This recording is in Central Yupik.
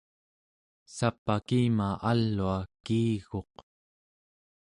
sap'akima alua kiiguq